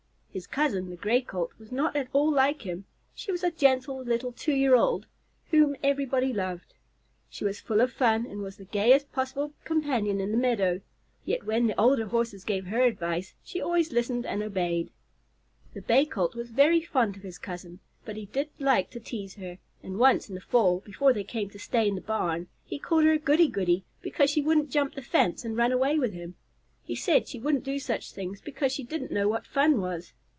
His cousin, the Gray Colt, was not at all like him. She was a gentle little two year old whom everybody loved. She was full of fun and was the gayest possible companion in the meadow, yet when the older Horses gave her advice, she always listened and obeyed. The Bay Colt was very fond of his cousin, but he did like to tease her, and once in the fall, before they came to stay in the barn, he called her a "goody goody" because she wouldn't jump the fence and run away with him. He said she wouldn't do such things because she didn't know what fun was.